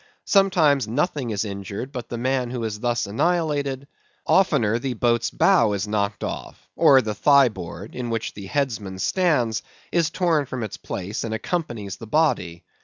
Sometimes, nothing is injured but the man who is thus annihilated; oftener the boat's bow is knocked off, or the thigh board, in which the headsman stands, is torn from its place and accompanies the body.